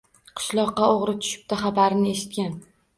Qishloqqa o‘g‘ri tushibdi xabarini eshitgan.